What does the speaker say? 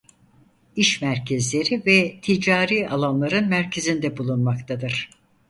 İş merkezleri ve ticari alanların merkezinde bulunmaktadır.